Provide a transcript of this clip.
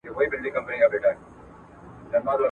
دې میدان کي د چا نه دی پوروړی.